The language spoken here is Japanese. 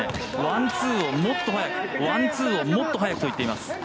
ワン・ツーをもっと前、ワン・ツーをもっと速くと言っています。